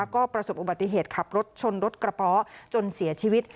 ก็ประสบอุบัติเหตุขับรถชนรถกระเพาะจนเสียชีวิต